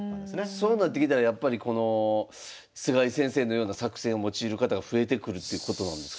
そうなってきたらやっぱりこの菅井先生のような作戦を用いる方が増えてくるっていうことなんですか？